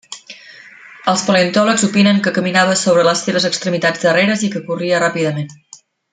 Els paleontòlegs opinen que caminava sobre les seves extremitats darreres i que corria ràpidament.